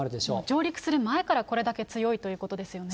上陸する前からこれだけ強いということですよね。